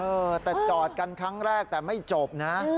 เออแต่จอดกันครั้งแรกแต่ไม่จบนะ